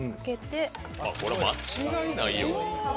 これ間違いないよな。